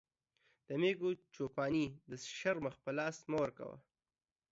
د مېږو چو پاني د شرمښ په لاس مه ورکوه.